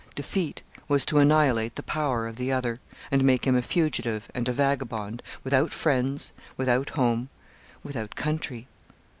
Defeat was to annihilate the power of the other, and make him a fugitive and a vagabond, without friends, without home, without country.